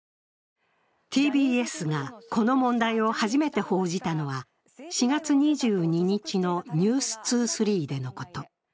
ＴＢＳがこの問題を初めて報じたのは、４月２２日の「ｎｅｗｓ２３」でのこと。